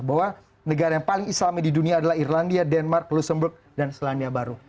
bahwa negara yang paling islami di dunia adalah irlandia denmark lusamburg dan selandia baru